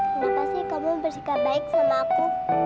kenapa sih kamu bersikap baik sama aku